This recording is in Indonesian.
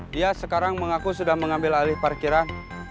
dia sekarang mengaku sudah mengambil alih parkiran